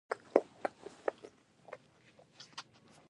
ازادي راډیو د بهرنۍ اړیکې په اړه د نېکمرغۍ کیسې بیان کړې.